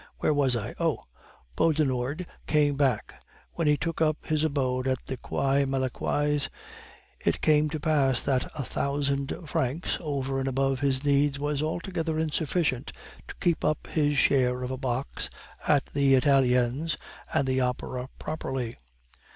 Where was I? Oh! Beaudenord came back. When he took up his abode on the Quai Malaquais, it came to pass that a thousand francs over and above his needs was altogether insufficient to keep up his share of a box at the Italiens and the Opera properly.